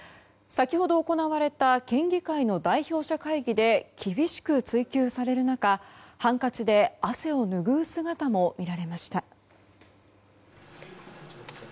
先ほど行われた県議会の代表者会議で厳しく追及される中ハンカチで汗をぬぐう姿も見られました。